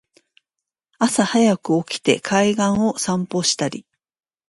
朝はやく起きて海岸を散歩したり